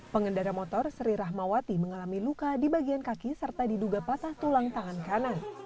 pengendara motor sri rahmawati mengalami luka di bagian kaki serta diduga patah tulang tangan kanan